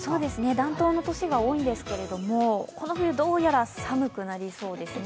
暖冬の年が多いんですけれども、この冬はどうやら寒くなりそうですね。